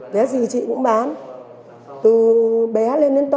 bé gì chị cũng bán từ bé lên đến to